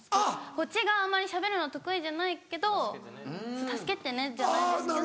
こっちがあまりしゃべるの得意じゃないけど助けてねじゃないですけど。